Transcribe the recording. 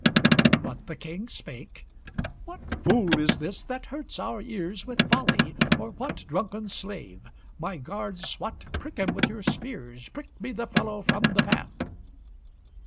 But the King spake: "What fool is this, that hurts our ears With folly? or what drunken slave? My guards, what, prick him with your spears! Prick me the fellow from the path!"